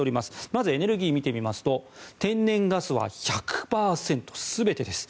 まずエネルギーを見てみますと天然ガスは１００％、全てです。